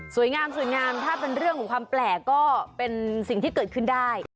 สวยงามสวยงามถ้าเป็นเรื่องของความแปลกก็เป็นสิ่งที่เกิดขึ้นได้